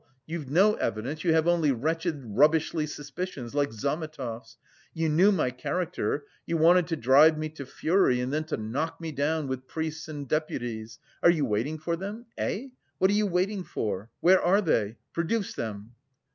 You've no evidence, you have only wretched rubbishly suspicions like Zametov's! You knew my character, you wanted to drive me to fury and then to knock me down with priests and deputies.... Are you waiting for them? eh! What are you waiting for? Where are they? Produce them?"